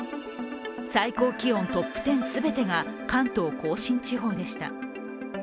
最高気温トップ１０全てが関東甲信地方でした。